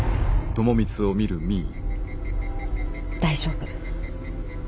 大丈夫。